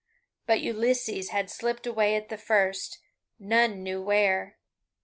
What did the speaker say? But Ulysses had slipped away at the first, none knew where.